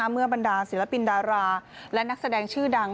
บรรดาศิลปินดาราและนักแสดงชื่อดัง